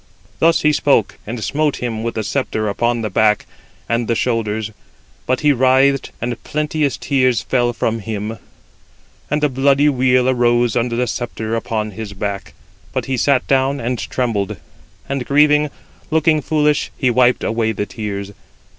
Thus he spoke, and smote him with the sceptre upon the back and the shoulders; but he writhed, and plenteous tears fell from him, and a bloody weal arose under the sceptre upon his back. But he sat down and trembled; and grieving, looking foolish, he wiped away the tears.